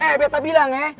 eh betta bilang ya